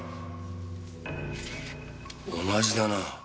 同じだな。